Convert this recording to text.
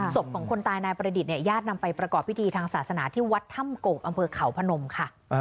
ศพของคนตายนายประดิษฐ์เนี่ยญาตินำไปประกอบพิธีทางศาสนาที่วัดถ้ำโกกอำเภอเขาพนมค่ะ